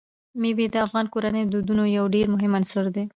مېوې د افغان کورنیو د دودونو یو ډېر مهم عنصر دی.